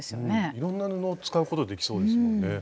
いろんな布を使うことできそうですもんね。